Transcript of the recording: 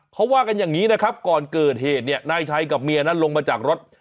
เขาว่ากันอย่างนี้นะครับก่อนเกิดเหตุเนี่ยนายชัยกับเมียนั้นลงมาจากรถ